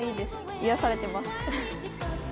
癒やされてます。